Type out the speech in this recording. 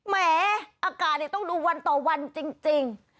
แหมอากาศต้องดูวันต่อวันจริง